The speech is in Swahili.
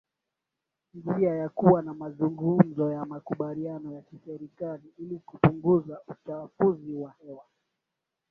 njia ya kuwa na mazungumzo ya makubaliano ya kiserikali ili kupunguza uchafuzi wa hewa